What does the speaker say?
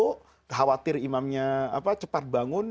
khawatir imamnya cepat bangun